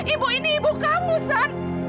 ibu ini ibu kamu aksan